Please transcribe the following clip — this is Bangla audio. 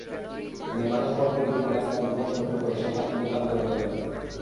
নির্মাণের পরপরই তিনি রাস্তার দুপাশ দখল করে সাত-আটটি দোকান গড়ে তোলেন।